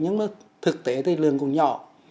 nhưng mà thực tế thì lường cũng nhỏ